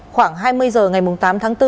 khoảng hai mươi h ngày tám tháng bốn